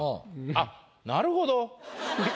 あっなるほど。